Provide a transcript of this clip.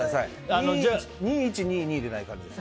２、１、２、２でないです。